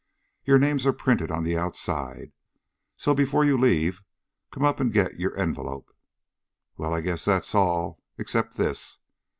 Your names are printed on the outside, so before you leave come up and get your envelope. Well, I guess that's all, except this.